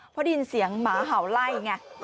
เพราะได้ยินเสียงหมาเห่าไล่ไง